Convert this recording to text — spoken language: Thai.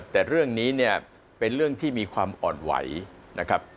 แต่เรื่องนี้เนี่ยเป็นเรื่องที่มีความอ่อนไหวนะครับ